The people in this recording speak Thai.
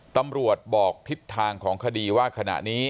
ตำรวจบอกทิศทางของคดีว่าขณะนี้